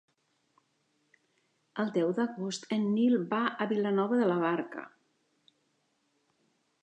El deu d'agost en Nil va a Vilanova de la Barca.